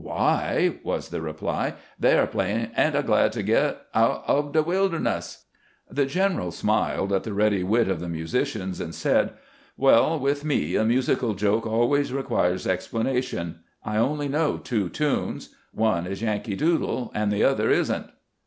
" Why," was the reply, " they are playing, ' Ain't I glad to get out ob de wilderness !'" The general smiled at the ready wit of the musicians, and said, " Well, with me a musical joke always requires explanation. I know only two tunes: one is 'Yankee Doodle,' and the other is n't."